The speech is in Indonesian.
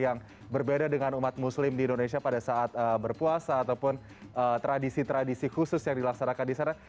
yang berbeda dengan umat muslim di indonesia pada saat berpuasa ataupun tradisi tradisi khusus yang dilaksanakan di sana